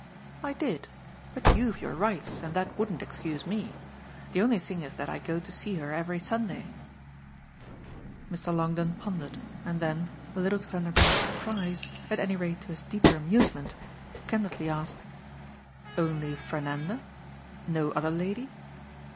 "I did, but you've your rights, and that wouldn't excuse me. The only thing is that I go to see her every Sunday." Mr. Longdon pondered and then, a little to Vanderbank's surprise, at any rate to his deeper amusement, candidly asked: "Only Fernanda? No other lady?"